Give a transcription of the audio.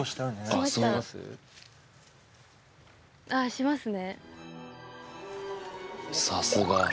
あっしますね。